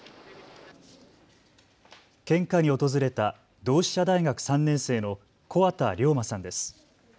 献花に訪れた同志社大学３年生の木幡涼真さんです。